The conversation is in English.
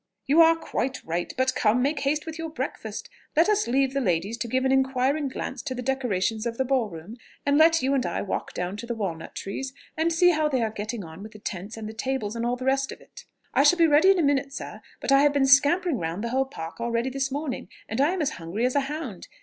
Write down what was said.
"Yon are quite right.... But come, make haste with your breakfast ... let us leave the ladies to give an inquiring glance to the decorations of the ball room, and let you and I walk down to the walnut trees, and see how they are getting on with the tents and the tables, and all the rest of it." "I shall be ready in a minute, sir; but I have been scampering round the whole park already this morning, and I am as hungry as a hound.